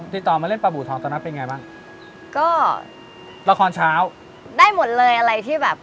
ติดต่อมาเล่นปลาบูทองตอนนั้นเป็นไงบ้างก็ละครเช้าได้หมดเลยอะไรที่แบบ